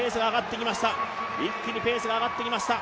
一気にペースが上がってきました。